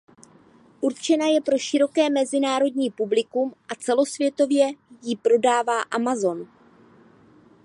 Určena je pro široké mezinárodní publikum a celosvětově ji prodává Amazon.